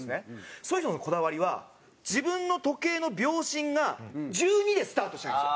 その人のこだわりは自分の時計の秒針が１２でスタートしてるんですよ。